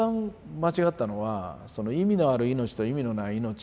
間違ったのはその「意味のある命と意味のない命」。